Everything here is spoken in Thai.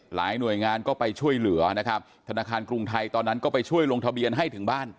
หน่วยงานก็ไปช่วยเหลือนะครับธนาคารกรุงไทยตอนนั้นก็ไปช่วยลงทะเบียนให้ถึงบ้าน